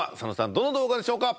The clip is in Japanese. どの動画でしょうか？